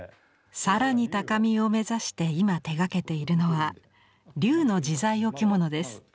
更に高みを目指して今手がけているのは龍の自在置物です。